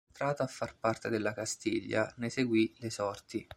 Entrata a far parte della Castiglia ne seguì le sorti.